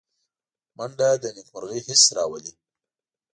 منډه د نېکمرغۍ حس راولي